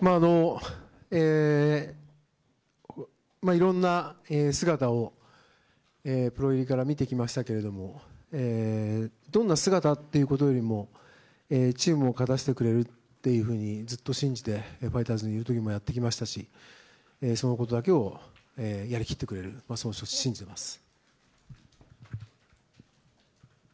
いろんな姿をプロ入りから見てきましたけどどんな姿ということよりもチームを勝たせてくれるとずっと信じてファイターズにいる時もやってきましたしそのことだけをやり切ってくれるそう信じています。